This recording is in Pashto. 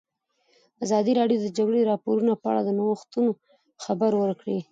ازادي راډیو د د جګړې راپورونه په اړه د نوښتونو خبر ورکړی.